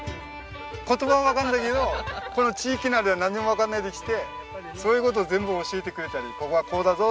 言葉はわかるんだけどこの地域のあれは何もわかんないで来てそういう事を全部教えてくれたり「ここはこうだぞ」とか。